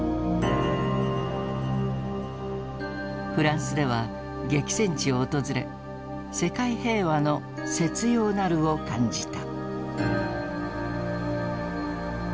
フランスでは激戦地を訪れ「世界平和の切要なる」を感じた。